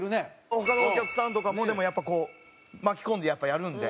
他のお客さんとかもやっぱこう巻き込んでやっぱやるんで。